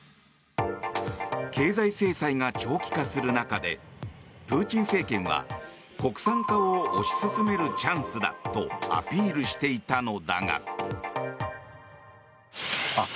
経済制裁が長期化する中でプーチン政権は国産化を推し進めるチャンスだとアピールしていたのだが。